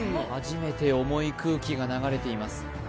初めて重い空気が流れています